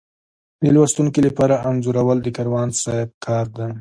د لوستونکي لپاره انځورول د کاروان صاحب کار دی.